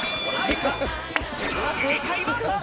正解は。